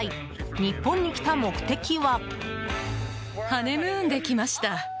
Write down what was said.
日本に来た目的は。